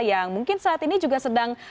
yang mungkin saat ini juga sedang